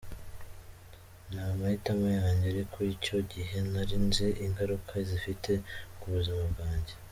Ni amahitamo yanjye, ariko icyo gihe ntari nzi ingaruka zifite ku buzima bwanjye.